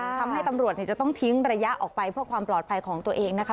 ทำให้ตำรวจจะต้องทิ้งระยะออกไปเพื่อความปลอดภัยของตัวเองนะคะ